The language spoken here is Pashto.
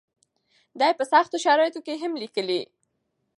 دی په سختو شرایطو کې هم لیکي.